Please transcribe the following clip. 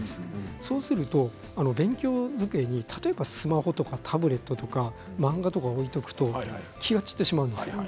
そうすると勉強机に例えばスマホとかタブレットとか漫画とか置いておくと気が散ってしまうんですよ。